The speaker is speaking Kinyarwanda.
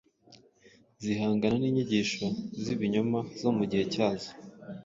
zihangana n’inyigisho z’ibinyoma zo mu gihe cyazo